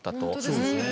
そうですね。